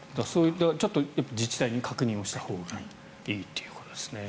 自治体に確認をしたほうがいいということですね。